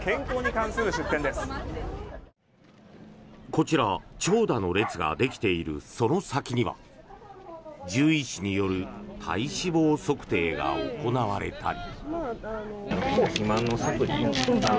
こちら、長蛇の列ができているその先には獣医師による体脂肪測定が行われたり。